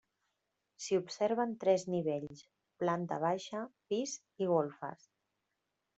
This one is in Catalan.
S'hi observen tres nivells, planta baixa, pis i golfes.